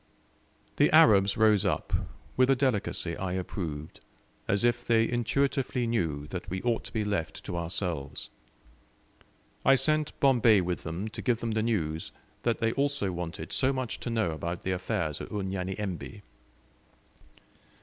The Arabs rose up, with a delicacy I approved, as if they intuitively knew that we ought to be left to ourselves. I sent Bombay with them to give them the news they also wanted so much to know about the affairs at Unyanyembe.